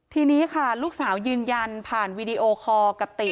ทีนี้ค่ะลูกสาวยืนยันผ่านวีดีโอคอร์กับติ